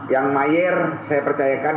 yang meyer saya percayakan